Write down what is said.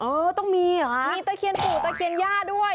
เออต้องมีเหรอมีตะเคียนปู่ตะเคียนย่าด้วย